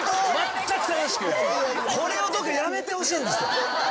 これやめてほしいんですよ。